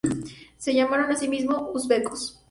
Se llamaron a sí mismos uzbekos.